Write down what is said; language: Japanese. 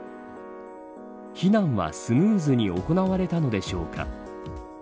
避難はスムーズに行われたのでしょうか。